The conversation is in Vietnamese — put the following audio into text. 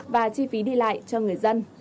và chi phí đi lại cho người dân